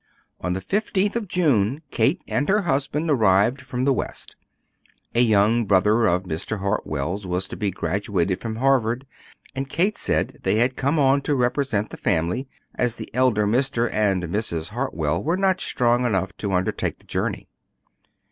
On the fifteenth of June Kate and her husband arrived from the West. A young brother of Mr. Hartwell's was to be graduated from Harvard, and Kate said they had come on to represent the family, as the elder Mr. and Mrs. Hartwell were not strong enough to undertake the journey.